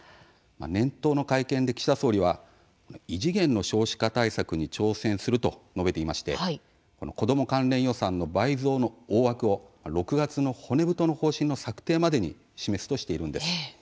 年頭の会見で岸田総理は異次元の少子化対策に挑戦すると述べていまして子ども関連予算の倍増の大枠を６月の骨太の方針の策定までに示すとしているんです。